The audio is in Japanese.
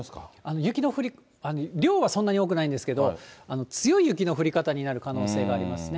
雪の量はそんなに多くないんですけど、強い雪の降り方になる可能性がありますね。